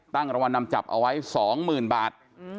ตั้งรางวัลนำจับเอาไว้๒หมื่นบาท